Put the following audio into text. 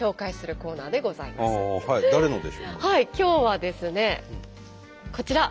はい今日はですねこちら！